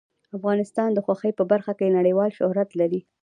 افغانستان د غوښې په برخه کې نړیوال شهرت لري.